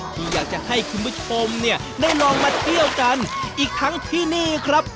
ที่อยากจะให้คุณผู้ชมเนี่ยได้ลองมาเที่ยวกันอีกทั้งที่นี่ครับ